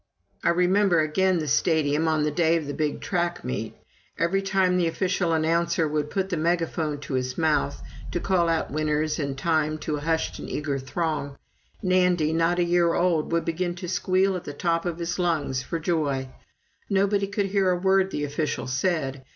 I remember again the Stadium on the day of the big track meet. Every time the official announcer would put the megaphone to his mouth, to call out winners and time to a hushed and eager throng, Nandy, not yet a year old, would begin to squeal at the top of his lungs for joy. Nobody could hear a word the official said.